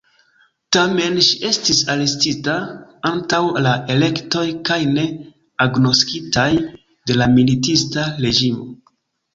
Tamen ŝi estis arestita antaŭ la elektoj kaj ne agnoskitaj de la militista reĝimo.